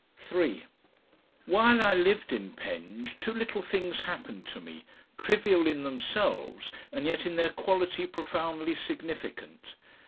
3 While I lived at Penge two little things happened to me, trivial in themselves and yet in their quality profoundly significant.